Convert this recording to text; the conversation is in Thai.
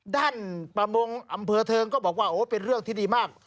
ประมงอำเภอเทิงก็บอกว่าโอ้เป็นเรื่องที่ดีมาก